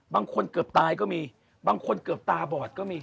บางคนเกือบตายก็มีบางคนเกือบตาบอดก็มี